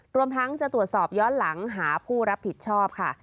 รวมทั้งจะตรวจสอบย้อนหลังหาผู้รับผิดชอบค่ะ